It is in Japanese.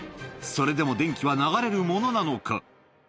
それでも電気は流れるものなのか。